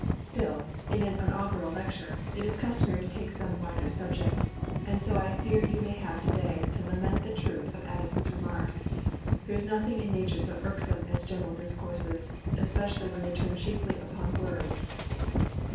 Still in an inaugural lecture it is customary to take some wider subject; and so I fear you may have to day to lament the truth of Addison's remark: 'There is nothing in nature so irksome as general discourses, especially when they turn chiefly upon words.'